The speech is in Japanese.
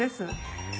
へえ。